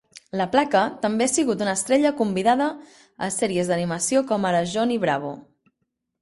LaPlaca també ha sigut una estrella convidada a sèries d'animació com ara "Johnny Bravo".